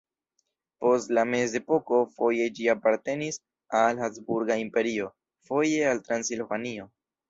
Post la mezepoko foje ĝi apartenis al Habsburga Imperio, foje al Transilvanio.